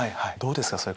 どうですか？